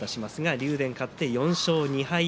竜電、勝って４勝２敗